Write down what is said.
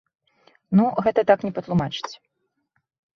Ну, гэта так не патлумачыць.